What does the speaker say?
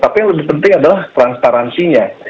tapi yang lebih penting adalah transparansinya